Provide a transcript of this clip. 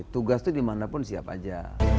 tugas itu dimanapun siap aja